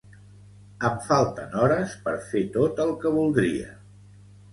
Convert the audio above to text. Em falten hores per fer tot el que voldria